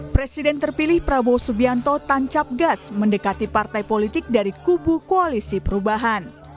presiden terpilih prabowo subianto tancap gas mendekati partai politik dari kubu koalisi perubahan